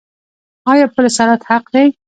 آیا پل صراط حق دی؟